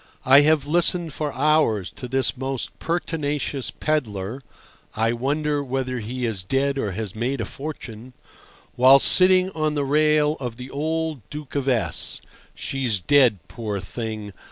I have listened for hours to this most pertinacious pedlar (I wonder whether he is dead or has made a fortune), while sitting on the rail of the old Duke of S— (she's dead, poor thing!